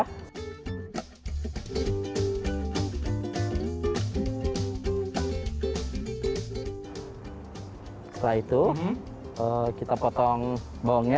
setelah itu kita potong bawangnya